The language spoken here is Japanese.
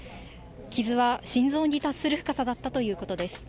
傷は心臓に達する深さだったということです。